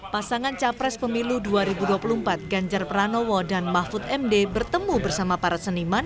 pasangan capres pemilu dua ribu dua puluh empat ganjar pranowo dan mahfud md bertemu bersama para seniman